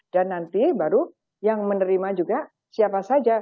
dan nanti baru yang menerima juga siapa saja